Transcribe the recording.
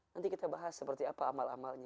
nanti kita bahas seperti apa amal amalnya